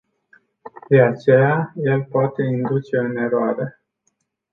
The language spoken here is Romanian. De aceea, el poate induce în eroare.